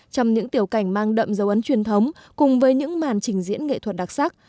trong những tiểu cảnh mang đậm dấu ấn truyền thống cùng với những màn trình diễn nghệ thuật đặc sắc